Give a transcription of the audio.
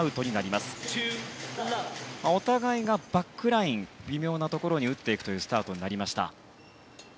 お互いがバックライン微妙なところに打っていくスタートになりました。